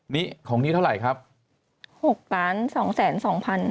นี่ของนี้เท่าไหร่ครับ๖ล้าน๒แสน๒พัน